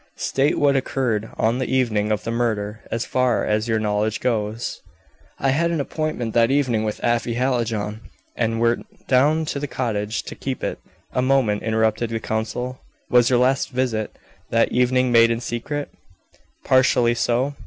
"State what occurred on the evening of the murder, as far as your knowledge goes." "I had an appointment that evening with Afy Hallijohn, and went down to their cottage to keep it " "A moment," interrupted the counsel. "Was your visit that evening made in secret?" "Partially so.